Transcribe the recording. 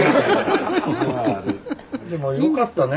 でもよかったね。